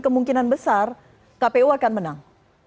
kemungkinan besar kpu akan menang